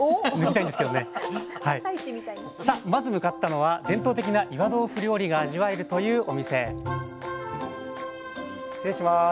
さあまず向かったのは伝統的な岩豆腐料理が味わえるというお店失礼します。